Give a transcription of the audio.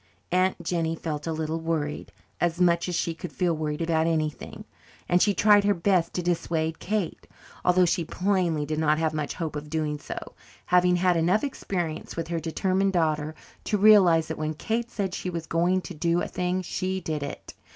Aunt Jennie felt a little worried as much as she could feel worried over anything and she tried her best to dissuade Kate, although she plainly did not have much hope of doing so, having had enough experience with her determined daughter to realize that when Kate said she was going to do a thing she did it.